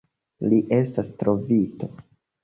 Li estas trovito.